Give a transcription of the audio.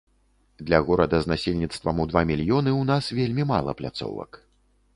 Для горада з насельніцтвам у два мільёны у нас вельмі мала пляцовак.